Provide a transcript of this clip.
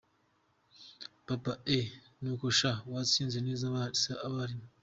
Papa: eeh ni uko sha! Watsinze neza se abarimu.